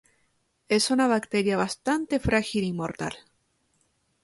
Es una bacteria bastante frágil y mortal.